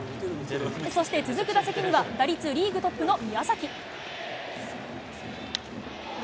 そして続く打席には、打率リーグトップの宮崎。